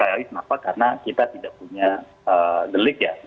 saya lagi kenapa karena kita tidak punya gelik ya